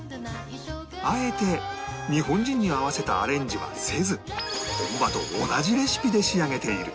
あえて日本人に合わせたアレンジはせず本場と同じレシピで仕上げている